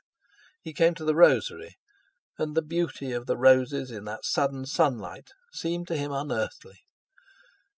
He came to the rosery, and the beauty of the roses in that sudden sunlight seemed to him unearthly.